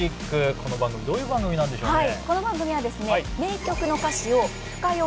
この番組どういう番組なんでしょうね？